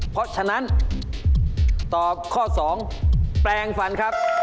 เพราะฉะนั้นตอบข้อ๒แปลงฟันครับ